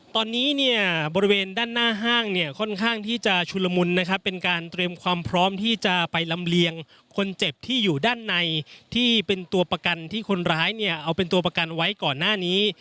ตอนนี้เนี่ยบริเวณด้านหน้าห้างเนี่ยค่อนข้างที่จะชุลมุนนะครับเป็นการเตรียมความพร้อมที่จะไปลำเลียงคนเจ็บที่อยู่ด้านในที่เป็นตัวประกันที่คนร้ายเนี่ยเอาเป็นตัวประกันไว้ก่อนหน้านี้